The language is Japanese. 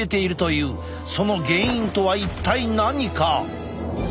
その原因とは一体何か？